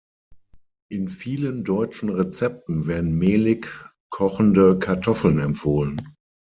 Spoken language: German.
In vielen deutschen Rezepten werden mehlig kochende Kartoffeln empfohlen.